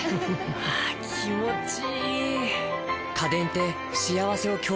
あ気持ちいい！